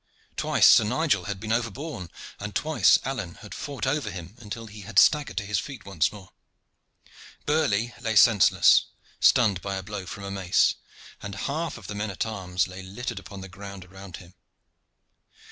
Twice Sir Nigel had been overborne, and twice Alleyne had fought over him until he had staggered to his feet once more. Burley lay senseless, stunned by a blow from a mace, and half of the men at arms lay littered upon the ground around him.